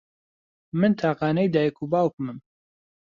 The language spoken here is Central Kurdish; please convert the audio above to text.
من تاقانەی دایک و باوکمم.